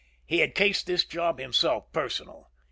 He had cased this job himself personal.